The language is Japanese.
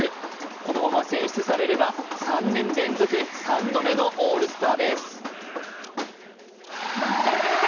このまま選出されれば３年連続３度目のオールスターです。